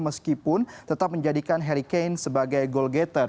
meskipun tetap menjadikan harry kane sebagai gol gathere